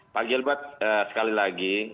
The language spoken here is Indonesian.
pak gilbert sekali lagi